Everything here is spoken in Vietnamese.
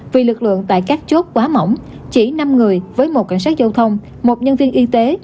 vì lực lượng tại các chốt quá mỏng chỉ năm người với một cảnh sát giao thông một nhân viên y tế